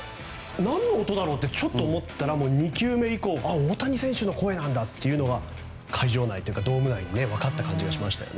何の音だろうと思ったら２球目以降大谷選手の声なんだというのは会場内というかドーム内で分かった感じがしましたね。